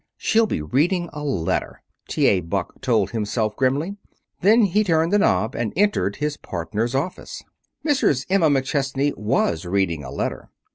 "She'll be reading a letter," T. A. Buck told himself grimly. Then he turned the knob and entered his partner's office. Mrs. Emma McChesney was reading a letter.